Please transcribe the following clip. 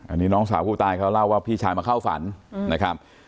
อันนี้น้องสาวผู้ตายเขาเล่าว่าพี่ชายมาเข้าฝันนะครับ